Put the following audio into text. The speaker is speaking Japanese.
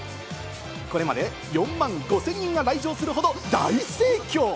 これまで４万５０００人が来場するほど大盛況。